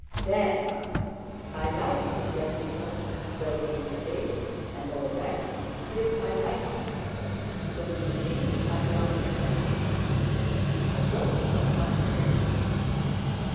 There now, I like your Denísov though he is a rake and all that, still I like him; so you see I do understand. I don't know how to put it...